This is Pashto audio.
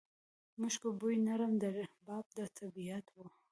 مشکو بوی، نرم رباب د طبیعت و